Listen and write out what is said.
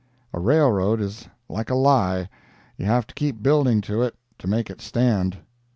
A railroad is like a lie—you have to keep building to it to make it stand.